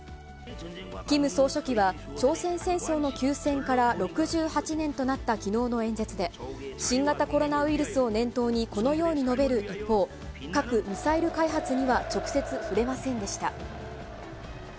キム総書記は、朝鮮戦争の休戦から６８年となったきのうの演説で、新型コロナウイルスを念頭にこのように述べる一方、核・ミサイル開発には直接触れませんでした。